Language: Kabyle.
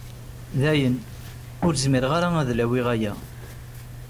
Dayen, ur zmireɣ ara ad lawiɣ aya.